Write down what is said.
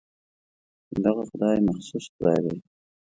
دغه خدای مخصوص خدای دی.